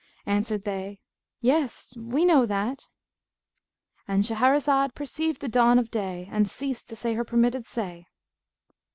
Answered they, 'Yes, we know that.'"—And Shahrazad perceived the dawn of day and ceased to say her permitted say.